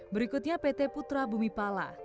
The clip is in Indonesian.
berikutnya pt putra bumipala